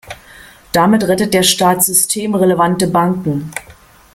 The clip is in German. Damit rettet der Staat systemrelevante Banken.